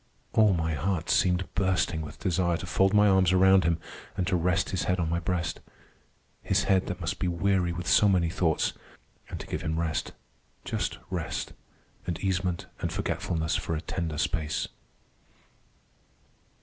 All my heart seemed bursting with desire to fold my arms around him, and to rest his head on my breast—his head that must be weary with so many thoughts; and to give him rest—just rest—and easement and forgetfulness for a tender space.